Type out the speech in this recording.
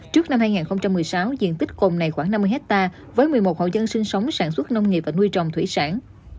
trước năm hai nghìn một mươi sáu diện tích cồn này khoảng năm mươi hectare với một mươi một hộ dân sinh sống sản xuất nông nghiệp và nuôi trồng thủy sản